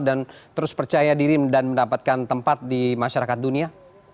dan terus percaya diri dan mendapatkan tempat di masyarakat dunia